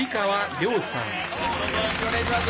よろしくお願いします。